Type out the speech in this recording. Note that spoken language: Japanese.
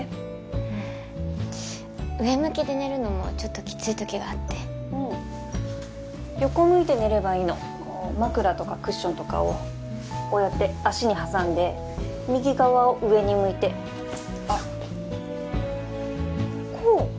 うん上向きで寝るのもちょっときつい時があって横を向いて寝ればいいの枕とかクッションとかをこうやって足に挟んで右側を上に向いてあっこう？